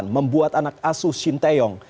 membuat anak asus shinteyong